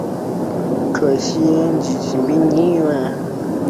可升级成奔牛。